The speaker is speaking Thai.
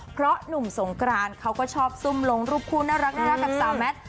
เพราะหนุ่มสงกรานเขาก็ชอบซุ่มลงรูปคู่น่ารักกับสาวแมท